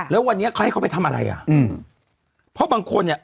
แล้ววันนี้เขาให้เขาไปทำอะไรอ่ะอืมเพราะบางคนเนี้ย